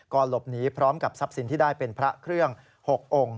หลบหนีพร้อมกับทรัพย์สินที่ได้เป็นพระเครื่อง๖องค์